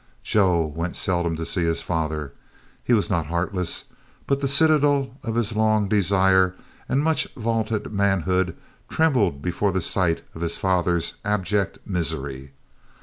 Joe went seldom to see his father. He was not heartless; but the citadel of his long desired and much vaunted manhood trembled before the sight of his father's abject misery.